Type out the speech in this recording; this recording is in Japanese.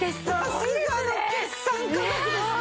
さすがの決算価格ですね！